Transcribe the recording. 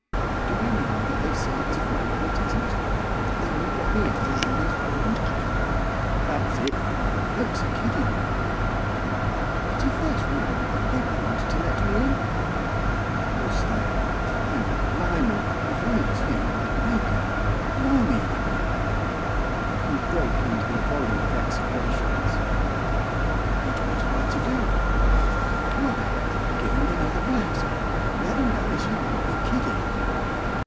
'Do you mean that they say it's full when it isn't, that they won't let me in although there's room?' 'That's it, bloke's a kiddin' yer.' 'But, if there's room, aren't they bound to let me in?' 'Course they are, and, blimey, if I was you I'd make 'em. Blimey I would!' He broke into a volley of execrations. 'But what am I to do?' 'Why, give 'em another rouser let 'em know as you won't be kidded!